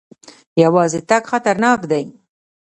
یوازې تګ خطرناک دی.